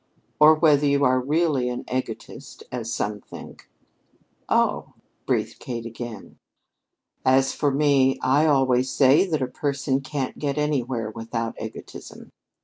"Or whether you are really an egotist as some think." "Oh!" breathed Kate again. "As for me, I always say that a person can't get anywhere without egotism.